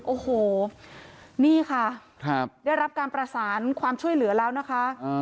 โอ้โหนี่ค่ะได้รับการประสานความช่วยเหลือแล้วนะคะ